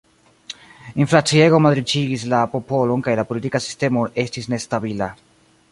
Inflaciego malriĉigis la popolon kaj la politika sistemo estis nestabila.